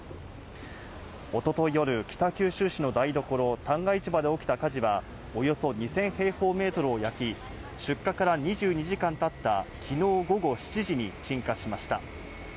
一昨日夜、北九州市の台所・旦過市場で起きた火事はおよそ２０００平方メートルを焼き、出火から２２時間経った昨日午後７時に鎮火しました。